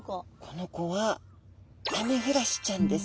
この子はアメフラシちゃんです。